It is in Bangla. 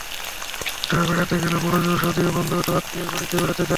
কোথাও বেড়াতে গেলে বড়জোর স্বদেশিয় বন্ধু অথবা আত্মীয়ের বাড়িতে বেড়াতে যাওয়া হয়।